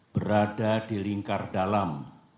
berada di lingkar dalam